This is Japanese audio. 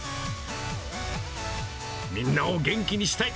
みんなを元気にしたい。